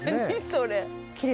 それ。